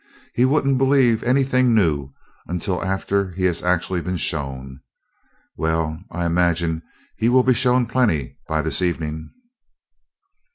He won't believe anything new until after he has actually been shown. Well, I imagine he will be shown plenty by this evening."